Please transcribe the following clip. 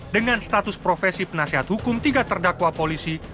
dengan status profesi penasihat hukum tiga terdakwa polisi